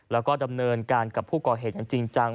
แล้วก็ดำเนินการกับผู้ก่อเหตุอย่างจริงจัง